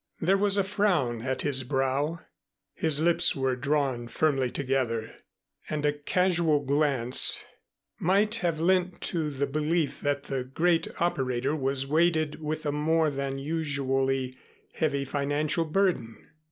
There was a frown at his brow, his lips were drawn firmly together and a casual glance might have lent to the belief that the great operator was weighted with a more than usually heavy financial burden.